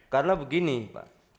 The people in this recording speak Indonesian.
karena begini pak